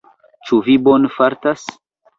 Ĉu vi bone fartas?